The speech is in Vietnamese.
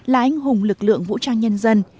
là anh hùng lực lượng vũ trang nhân dân